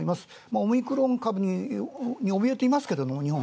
オミクロン株におびえていますが日本